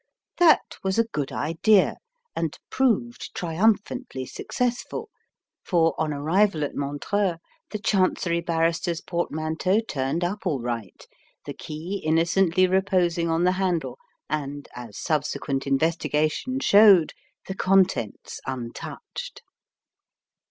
That was a good idea, and proved triumphantly successful; for, on arrival at Montreux, the Chancery Barrister's portmanteau turned up all right, the key innocently reposing on the handle, and, as subsequent investigation showed, the contents untouched.